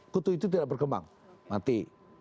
kutu itu tidak berkembang mati